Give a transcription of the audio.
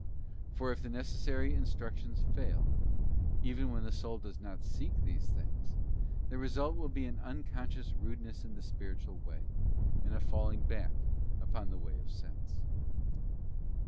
For if the necessary instructions fail — even when the soul does not seek these things —the result will be an unconscious rudeness in the spiritual way, and a falling back upon the way of sense.